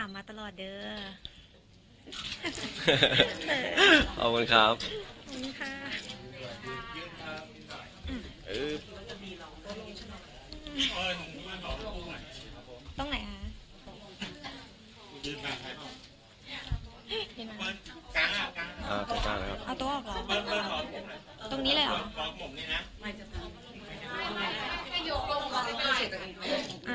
อ่ะพุกยืนตรงขันบ้างผมกับน้ำนี้ก่อนนะ